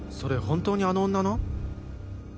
本当にあの女の？